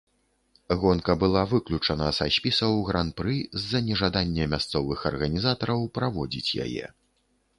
Гонка была выключана са спісаў гран-пры з-за нежадання мясцовых арганізатараў праводзіць яе.